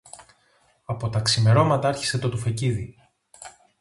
Από τα ξημερώματα άρχισε το τουφεκίδι